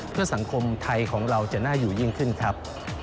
เพื่อสังคมไทยของเราจะน่าอยู่ยิ่งขึ้นครับ